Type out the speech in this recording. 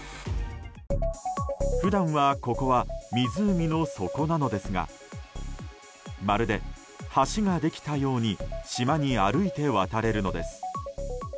普段はここは湖の底なのですがまるで橋ができたように島に歩いて渡れるのです。